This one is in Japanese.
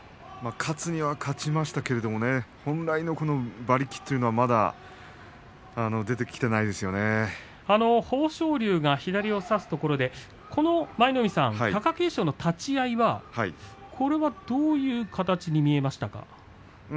勝つには勝ちましたけれども本来の馬力というのはまだ豊昇龍が左を差すところで貴景勝の立ち合いはどういう形に見えましたか。